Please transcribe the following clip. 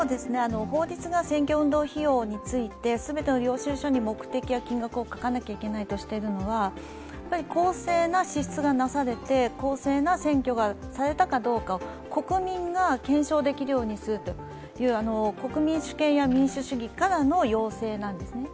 法律が選挙運動費用について全ての領収書に目的や金額を書かないといけないとしているのは公正な支出がなされて公正な選挙がされたかどうか、国民が検証できるようにするという、国民主権や民主主義からの要請なんですね。